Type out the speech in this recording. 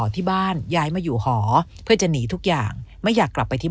ที่บ้านย้ายมาอยู่หอเพื่อจะหนีทุกอย่างไม่อยากกลับไปที่